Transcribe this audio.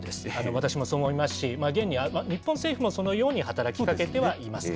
私もそのように思いますし、げんに日本政府もそのように働きかけてはいます。